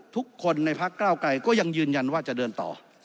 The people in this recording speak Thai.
ทุกคนในพักเก้าไกรก็ยังยืนยันว่าจะเดินต่อ